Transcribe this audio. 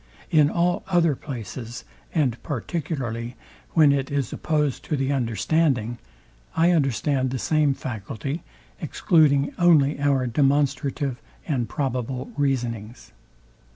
In all other places, and particularly when it is opposed to the understanding, I understand the same faculty, excluding only our demonstrative and probable reasonings.